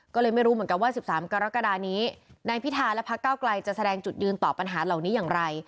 ก็เลยไม่รู้เหมือนกันว่า๑๓กรกฎานี้นายพิธาและพักเก้าไกลจะแสดงจุดยืนต่อปัญหาเหล่านี้อย่างไร